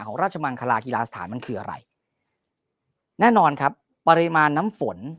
ราชมังคลากีฬาสถานมันคืออะไรแน่นอนครับปริมาณน้ำฝน